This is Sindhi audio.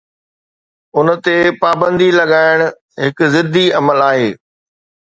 ان تي پابندي لڳائڻ هڪ ضدي عمل آهي.